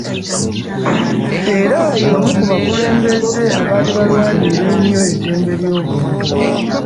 Era y'omu ku bakulembeze abaali balwanirira ennyo eddembe ly'obuntu.